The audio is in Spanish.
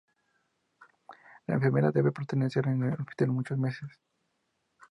Él enferma y debe permanecer en el hospital muchos meses.